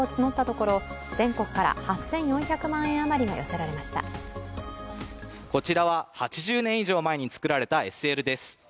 こちらは８０年以上前に作られたＳＬです。